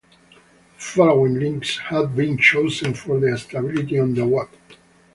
The following links have been chosen for their stability on the web.